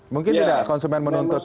mungkin tidak konsumen menuntut